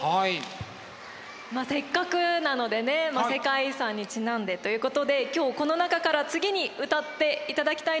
せっかくなのでね世界遺産にちなんでということで今日この中から次に歌っていただきたいのが。